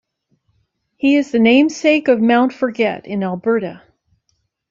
He is the namesake of Mount Forget, in Alberta.